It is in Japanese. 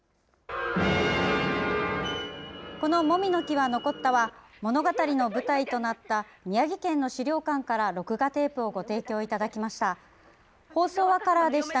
この「樅ノ木は残った」は物語の舞台となった宮城県の資料館から録画テープをご提供いただきました。